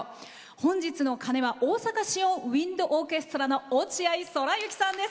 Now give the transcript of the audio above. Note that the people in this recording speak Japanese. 本日の鐘はオオサカ・シオン・ウインド・オーケストラの落合空千さんです。